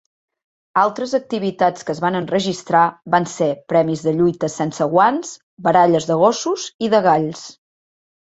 Altres activitats que es van registrar van ser premis de lluites sense guants, baralles de gossos i de galls.